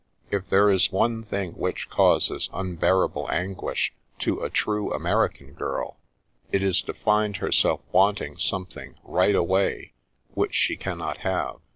If there is one thing which causes unbearable anguish to a true American girl it is to find herself wanting something " right away " which she cannot have.